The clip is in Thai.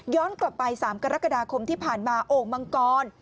กลับไป๓กรกฎาคมที่ผ่านมาโอ่งมังกร